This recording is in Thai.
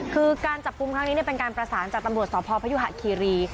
คือการจับกลุ่มครั้งนี้เป็นการประสานจากตำรวจสพพยุหะคีรี